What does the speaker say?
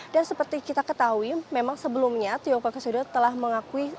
dan seperti kita ketahui memang sebelumnya tio pakusadewa telah mengakui